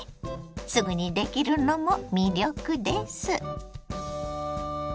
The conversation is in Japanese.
すぐにできるのも魅力です。